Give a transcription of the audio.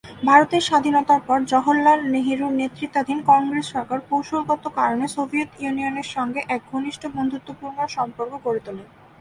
ভারতের স্বাধীনতার পর জওহরলাল নেহরুর নেতৃত্বাধীন কংগ্রেস সরকার কৌশলগত কারণে সোভিয়েত ইউনিয়নের সঙ্গে এক ঘনিষ্ঠ বন্ধুত্বপূর্ণ সম্পর্ক গড়ে তোলে।